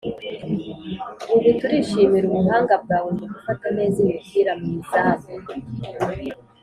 Ubu turishimira ubuhanga bwawe mu gufata neza imipira mu izamu